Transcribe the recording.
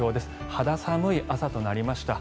肌寒い朝となりました。